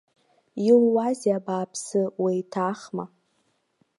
Иууазеи, абааԥсы, уеиҭаахма?!